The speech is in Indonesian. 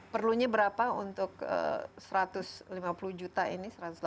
perlunya berapa untuk satu ratus lima puluh juta ini